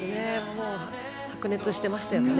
白熱していましたよね。